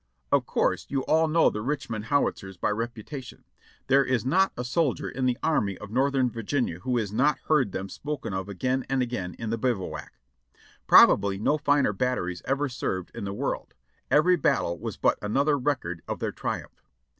"Of course you all know the Richmond Howitzers by reputa tion. There is not a soldier in the Army of Northern Virginia who has not heard them spoken of again and again in the biv ouac. Probably no finer batteries ever served in the world ; every battle was but another record of their triumph.